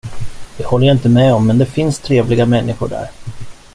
Det håller jag inte med om, men det finns trevliga människor där.